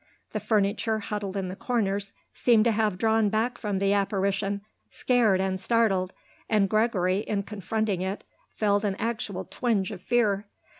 The furniture, huddled in the corners, seemed to have drawn back from the apparition, scared and startled, and Gregory, in confronting it, felt an actual twinge of fear.